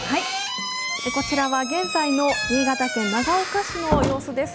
こちらは現在の新潟県長岡市の様子です。